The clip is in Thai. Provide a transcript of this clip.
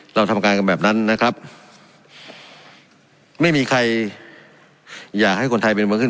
เราทำการกันแบบนั้นนะครับไม่มีใครอยากให้คนไทยเป็นเมืองขึ้น